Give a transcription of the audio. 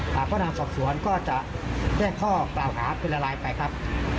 แต่พ่อนางสอบสวนก็จะได้ข้อกล่าวขาดเป็นละลายไปครับ